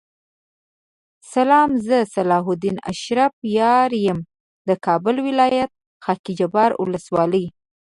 سلام زه صلاح الدین شرافت یار یم دکابل ولایت خاکحبار ولسوالی